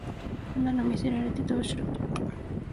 こんなの見せられてどうしろと